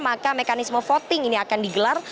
atau voting ini akan digelar